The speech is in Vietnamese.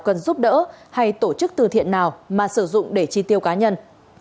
cần giúp đỡ hay tổ chức từ thiện nào mà sử dụng để chi tiêu cá nhân